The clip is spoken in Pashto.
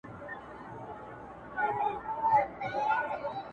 شرم پر حقيقت غالب کيږي تل,